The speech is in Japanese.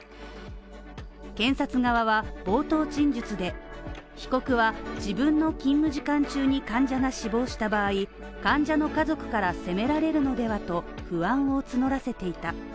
検察側は冒頭陳述で被告は自分の勤務時間中に患者が死亡した場合、患者の家族から責められるのではと不安を募らせていた。